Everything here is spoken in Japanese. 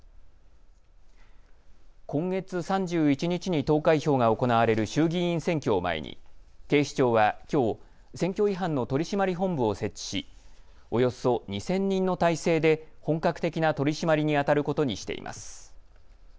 今月３１日に投開票が行われる衆議院選挙を前に警視庁はきょう、選挙違反の取締本部を設置しおよそ２０００人の態勢で本格的な取締りにあたることにしています。